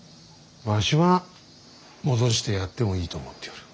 わしは戻してやってもいいと思っておる。